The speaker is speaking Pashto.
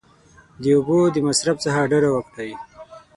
د اوبو د مصرف څخه ډډه وکړئ !